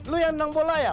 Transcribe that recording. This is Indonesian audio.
lu yang nendang bola ya